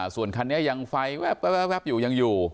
ส่วนคันนี้ยังไฟแว๊บอยู่ยังอยู่